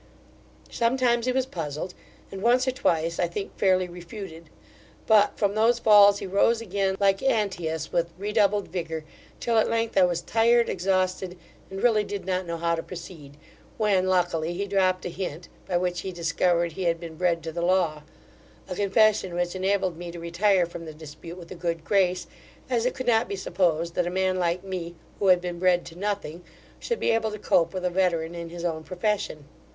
Sometimes he was puzzled, and once or twice, I think, fairly refuted; but from those falls he rose again, like Antaeus, with redoubled vigour, till at length I was tired, exhausted, and really did not know how to proceed, when luckily he dropped a hint, by which he discovered he had been bred to the law; a confession which enabled me to retire from the dispute with a good grace, as it could not be supposed that a man like me, who had been bred to nothing, should be able to cope with a veteran in his own profession.